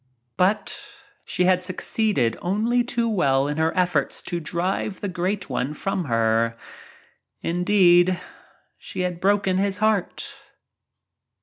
But she had succeeded only too well in her efforts to drive the Great One from her. Indeed, she had broken his heart.